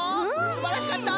すばらしかった！